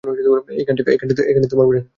এই গানটি, - তোমান পছন্দের, তাই না?